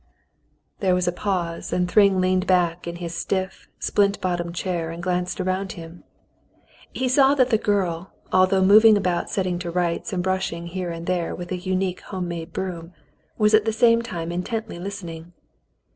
There w^as a pause, and Thryng leaned back in his stiff, splint bottomed chair and glanced around him. He saw that the girl, although moving about setting to rights and brushing here and there with an unique, home made broom, was at the same time intently listening.